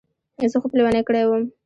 زه خوب لېونی کړی وم.